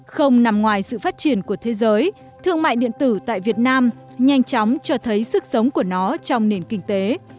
không nằm ngoài sự phát triển của thế giới thương mại điện tử tại việt nam nhanh chóng cho thấy sức sống của nó trong nền kinh tế